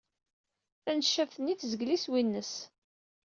Taneccabt-nni tezgel iswi-nnes.